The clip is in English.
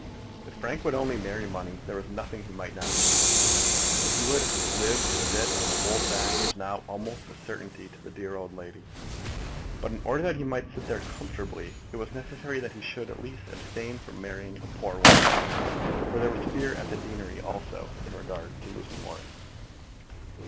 If Frank would only marry money, there was nothing he might not achieve. That he would live to sit on the woolsack was now almost a certainty to the dear old lady. But in order that he might sit there comfortably it was necessary that he should at least abstain from marrying a poor wife. For there was fear at the deanery also in regard to Lucy Morris.